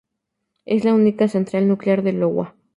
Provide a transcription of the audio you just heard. Es la única central nuclear de Iowa.